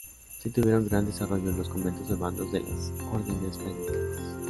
Sí tuvieron gran desarrollo los conventos urbanos de las órdenes mendicantes.